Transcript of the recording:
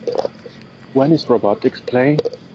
When is Robotix playing?